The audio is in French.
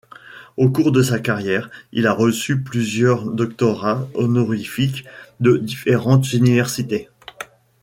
Au cours de sa carrière, il a reçu plusieurs doctorats honorifiques de différentes universités.